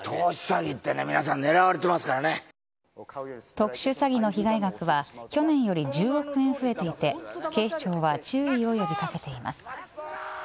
特殊詐欺の被害額は去年より１０億円増えていて警視庁は注意を呼び掛けています。